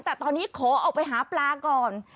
แต่ตอนนี้ขอออกไปหาปลาก่อน